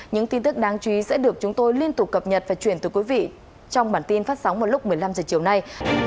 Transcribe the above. những tin tức đáng chú ý sẽ được chúng tôi liên tục cập nhật và chuyển từ quý vị trong bản tin phát sóng vào lúc một mươi năm h chiều nay